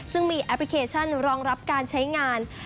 ซึ่งมีแอปพลิเคชันรองรับการใช้งาน